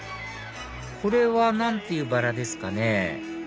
これは何ていうバラですかね？